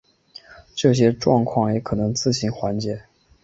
这些状况也可能自行缓解。